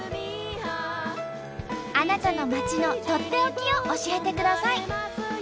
あなたの町のとっておきを教えてください。